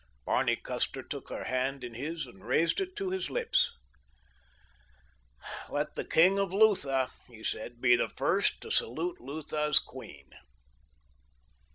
Barney Custer took her hand in his and raised it to his lips. "Let the King of Lutha," he said, "be the first to salute Lutha's queen."